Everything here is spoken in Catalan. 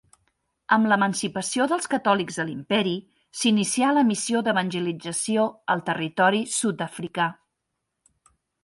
Amb l'emancipació dels catòlics a l'Imperi, s'inicià la missió d'evangelització al territori sud-africà.